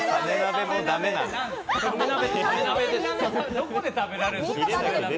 どこで食べられるの？